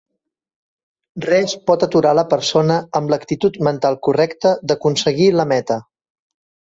Res pot aturar la persona amb l'actitud mental correcta d'aconseguir la meta.